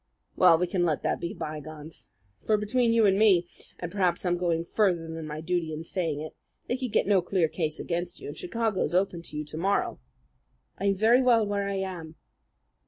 Well, we can let that be bygones; for, between you and me and perhaps I'm going further than my duty in saying it they could get no clear case against you, and Chicago's open to you to morrow." "I'm very well where I am."